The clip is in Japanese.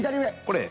これ？